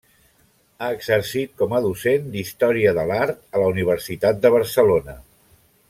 Ha exercit com a docent d'Història de l'Art a la Universitat de Barcelona.